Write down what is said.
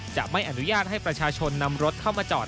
จะไม่อนุญาตให้ประชาชนนำรถเข้ามาจอด